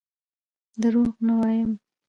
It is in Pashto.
دروغ نه وایم.